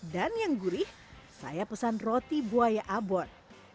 dan yang gurih saya pesan roti buaya abon